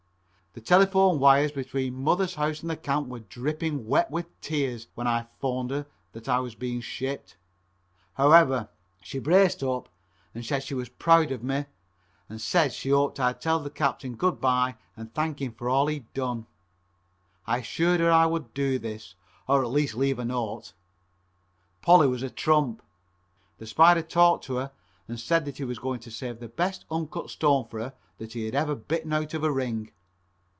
The telephone wires between mother's house and the camp were dripping wet with tears when I phoned her that I was being shipped. However, she braced up and said she was proud of me and said she hoped I'd tell the captain good by and thank him for all he has done. I assured her I would do this, or at least leave a note. Polly was a trump. The Spider talked to her and said that he was going to save the best uncut stone for her that he had ever bitten out of a ring.